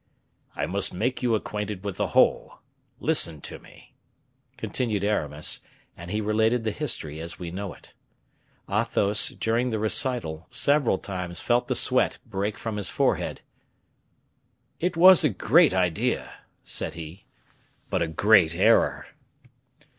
"I must make you acquainted with the whole. Listen to me," continued Aramis; and he related the history as we know it. Athos, during the recital, several times felt the sweat break from his forehead. "It was a great idea," said he, "but a great error."